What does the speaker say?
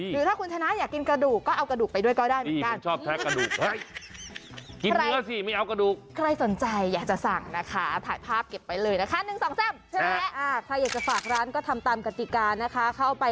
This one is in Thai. หรือถ้าคุณชนะอยากกินกระดูกก็เอากระดูกไปด้วยก็ได้เหมือนกัน